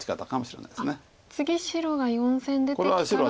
次白が４線出てきたら。